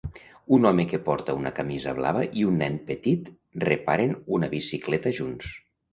Un home que porta una camisa blava i un nen petit reparen una bicicleta junts.